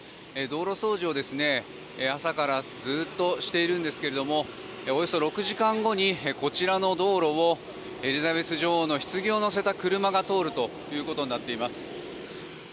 道路掃除を朝からずっとしているんですがおよそ６時間後にこちらの道路をエリザベス女王のひつぎをのせた車が通ることになっています。